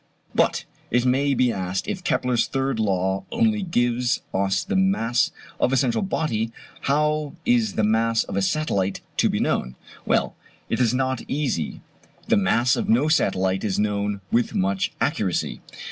But, it may be asked, if Kepler's third law only gives us the mass of a central body, how is the mass of a satellite to be known? Well, it is not easy; the mass of no satellite is known with much accuracy.